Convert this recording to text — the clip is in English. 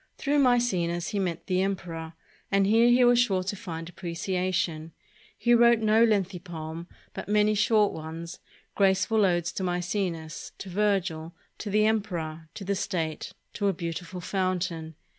Through Maecenas he met the emperor, and here he was sure to find appreciation. He wrote no lengthy poem, but many short ones, graceful odes to Maecenas, to Virgil, to the emperor, to the state, to a beautiful fountain.